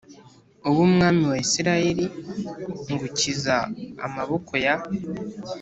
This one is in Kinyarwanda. Ube umwami wa isirayeli ngukiza amaboko ya